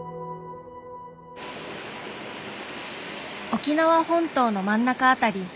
沖縄本島の真ん中辺り。